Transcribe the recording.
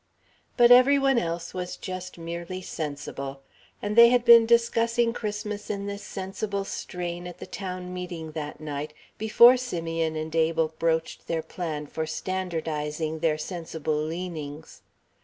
But every one else was just merely sensible. And they had been discussing Christmas in this sensible strain at the town meeting that night, before Simeon and Abel broached their plan for standardizing their sensible leanings.